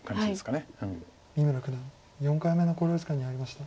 三村九段４回目の考慮時間に入りました。